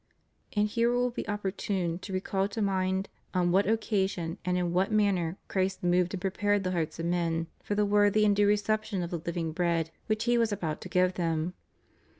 And here it will be opportune to recall to mind on what occasion and in what manner Christ moved and prepared the hearts of men for the worthy and due reception of the Hving bread which He was about to give them.